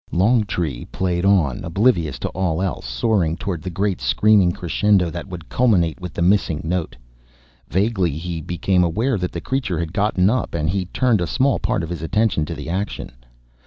Longtree played on, oblivious to all else, soaring toward the great screaming crescendo that would culminate with the missing note. Vaguely, he became aware that the creature had gotten up, and he turned a small part of his attention to the action.